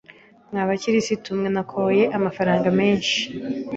mwa bakirisitu mwe nakoye amafaranga menshi